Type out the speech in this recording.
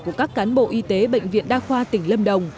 của các cán bộ y tế bệnh viện đa khoa tỉnh lâm đồng